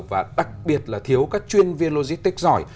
và đặc biệt là thiếu các chuyên viên lôi stick giỏi